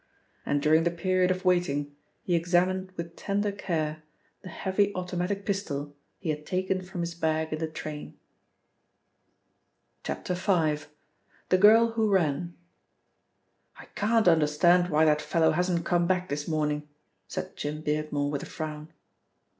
And during the period of waiting, he examined with tender care the heavy automatic pistol he had taken from his bag in the train. V. — THE GIRL WHO RAN "I CAN'T understand why that fellow hasn't come back this morning," said Jim Beardmore with a frown.